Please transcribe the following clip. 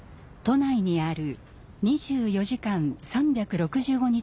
都内にある２４時間３６５日